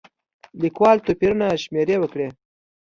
لیکوال توپیرونه شمېرې وکړي.